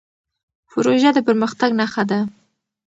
پروژه د پرمختګ نښه ده.